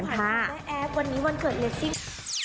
ของขวัญของแม่แอฟวันนี้วันเกิดเลสซิ่ง